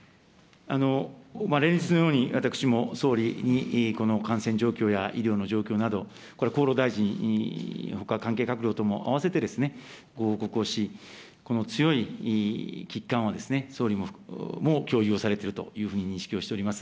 連日のように私も総理にこの感染状況や医療の状況など、これ、厚労大臣ほか関係閣僚とも併せて、ご報告をし、この強い危機感を、総理も共有をされているというふうに認識をしております。